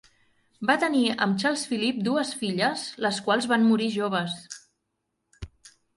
Va tenir amb Charles Philip dues filles, les quals van morir joves.